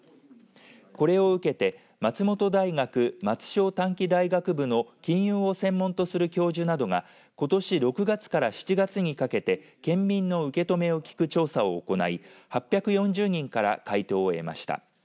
これを受けて松本大学松商短期大学部の金融を専門とする教授などがことし６月から７月にかけて県民の受け止めを聞く調査を行い８４０人から回答を得ました。